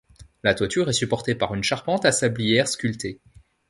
La toiture est supportée par une charpente à sablières sculptées.